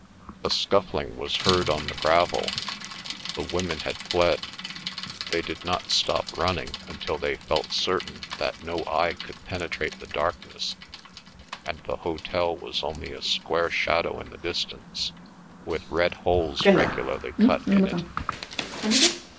A scuffling was heard on the gravel. The women had fled. They did not stop running until they felt certain that no eye could penetrate the darkness and the hotel was only a square shadow in the distance, with red holes regularly cut in it.